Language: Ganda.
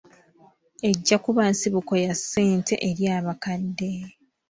Ejja kuba nsibuko ya ssente eri abakadde.